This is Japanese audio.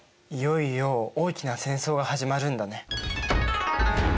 いよいよ大きな戦争が始まるんだね。